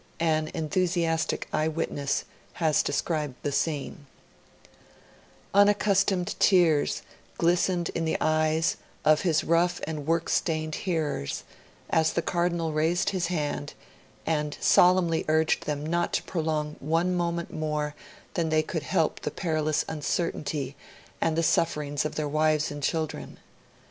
An enthusiastic eye witness has described the scene: 'Unaccustomed tears glistened in the eyes of his rough and work stained hearers as the Cardinal raised his hand and solemnly urged them not to prolong one moment more than they could help the perilous uncertainty and the sufferings of their wives and children.